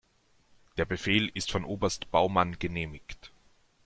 Der Befehl ist von Oberst Baumann genehmigt.